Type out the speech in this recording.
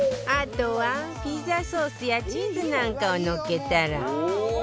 あとはピザソースやチーズなんかをのっけたら